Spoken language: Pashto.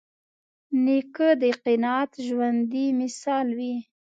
نیکه د قناعت ژوندي مثال وي.